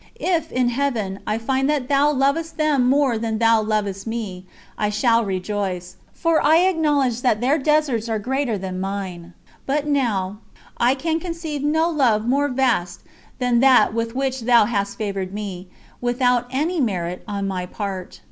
If, in Heaven, I find that thou lovest them more than Thou lovest me, I shall rejoice, for I acknowledge that their deserts are greater than mine, but now, I can conceive no love more vast than that with which Thou hast favoured me, without any merit on my part.